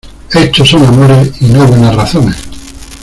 Hechos son amores y no buenas razones.